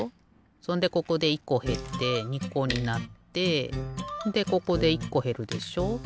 そんでここで１こへって２こになってでここで１こへるでしょ。